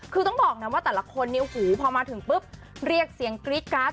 คือต้องบอกนะว่าแต่ละคนเนี่ยหูพอมาถึงปุ๊บเรียกเสียงกรี๊ดการ์ด